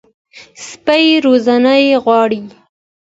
سپي روزنه غواړي.